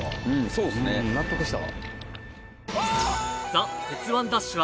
そうですね。納得した。